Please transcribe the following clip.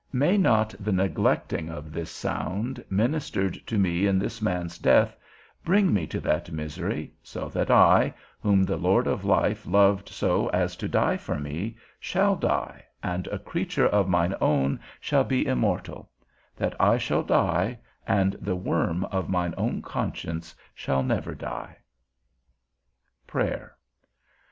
May not the neglecting of this sound ministered to me in this man's death, bring me to that misery, so that I, whom the Lord of life loved so as to die for me, shall die, and a creature of mine own shall be immortal; that I shall die, and the worm of mine own conscience shall never die? XVIII. PRAYER.